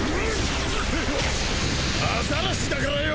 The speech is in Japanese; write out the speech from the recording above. アザラシだからよ！